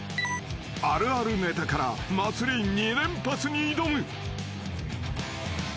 ［あるあるネタから祭り２連発に挑む］